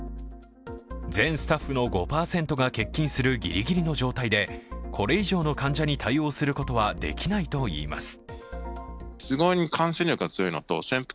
全スタッフの５％が欠勤するギリギリの状態でこれ以上の患者に対応することはできないといいます。